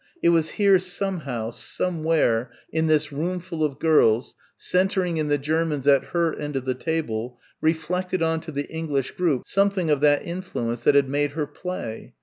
It was here, somehow, somewhere, in this roomful of girls, centring in the Germans at her end of the table, reflected on to the English group, something of that influence that had made her play.